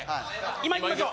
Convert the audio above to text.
今いきましょう